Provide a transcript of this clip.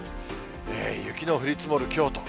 雪の降り積もる京都。